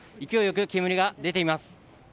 勢いよく煙が出ています。